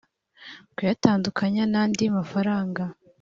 kuyatandukanya n andi mafaranga